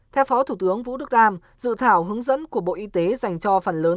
theo phó thủ tướng vũ đức đam dự thảo hướng dẫn của bộ y tế dành cho phần lớn